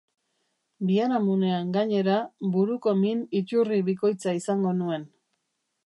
Biharamunean, gainera, buruko min iturri bikoitza izango nuen.